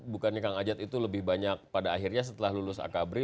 bukannya kang ajat itu lebih banyak pada akhirnya setelah lulus akabri